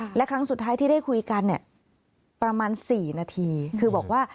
และครั้งสุดท้ายที่ได้คุยกันเนี่ยประมาณ๔นาทีคือบอกว่า